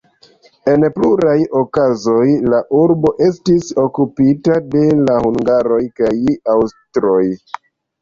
En pluraj okazoj, la urbo estis okupita de la hungaroj kaj aŭstroj.